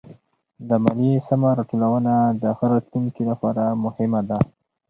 د ماليې سمه راټولونه د ښه راتلونکي لپاره مهمه ده.